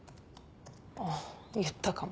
ああ言ったかも。